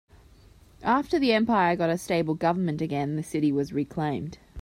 After the empire got a stable government again, the city was reclaimed.